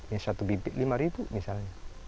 yang satu bibit lima ribu misalnya